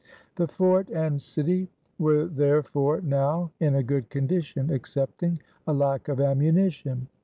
The Fort and City were therefore, now in a good condition, excepting a lack of ammunition.